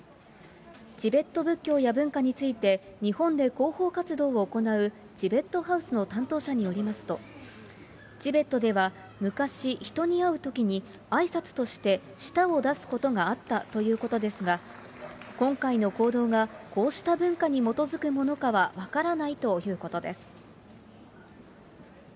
チベット仏教や文化について日本で広報活動を行うチベットハウスの担当者によりますと、チベットでは昔、人に会うときに、あいさつとして舌を出すことがあったということですが、今回の行動がこうした文化に基づくものかは分からないということです。